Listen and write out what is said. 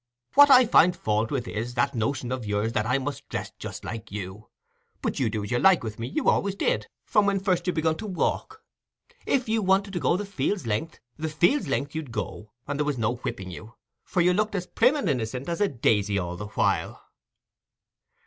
What I find fault with, is that notion o' yours as I must dress myself just like you. But you do as you like with me—you always did, from when first you begun to walk. If you wanted to go the field's length, the field's length you'd go; and there was no whipping you, for you looked as prim and innicent as a daisy all the while."